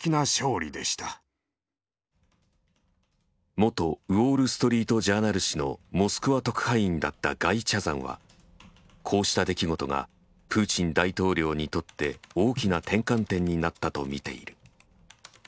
元「ウォール・ストリート・ジャーナル」紙のモスクワ特派員だったガイ・チャザンはこうした出来事がプーチン大統領にとって大きな転換点になったとみている。